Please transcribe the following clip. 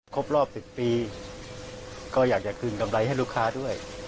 ครบรอบ๑๐ปีก็อยากจะคืนกำไรให้ลูกค้าด้วย